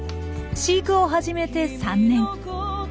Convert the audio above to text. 飼育を始めて３年。